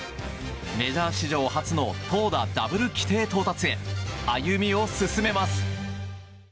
メジャー史上初の投打ダブル規定到達へ歩みを進めます。